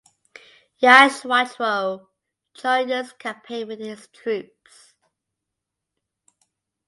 Yashwantrao joined this campaign with his troops.